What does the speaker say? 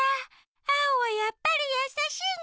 アオはやっぱりやさしいね。